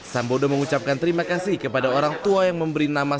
sambodo mengucapkan terima kasih kepada orang tua yang memberi nama